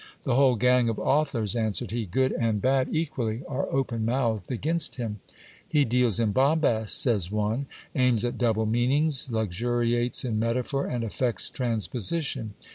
The whole gang of authors, answered he, good and bad equally, are open mouthed against him. He deals in bombast, says one ; aims at double mean ings, luxuriates in metaphor, and affects transposition.